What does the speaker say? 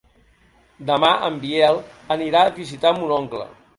Demà en Biel anirà a visitar mon oncle.